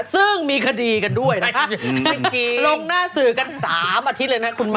ซึ่งมีคดีกันด้วยนะครับลงหน้าสื่อกัน๓อาทิตย์เลยนะคุณแม่